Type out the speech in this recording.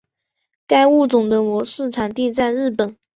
该物种的模式产地在日本。